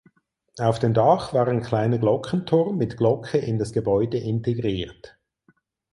Auf dem Dach war ein kleiner Glockenturm mit Glocke in das Gebäude integriert.